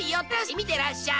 見てらっしゃい！